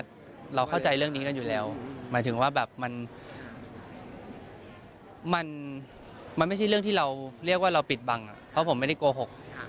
ใช่ก็อาจจะถ้าเกิดมีเพื่อนเลี้ยงชะลอง